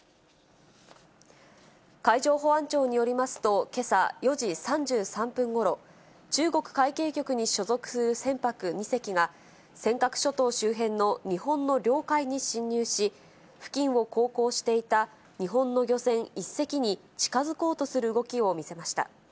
海上保安庁によりますと、けさ４時３３分ごろ、中国海警局に所属する船舶２隻が、尖閣諸島周辺の日本の領海に侵入し、付近を航行していた日本の漁船１隻に近づこうとする動きを見せました。